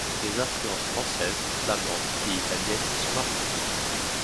Les influences françaises, flamandes et italiennes sont marquantes.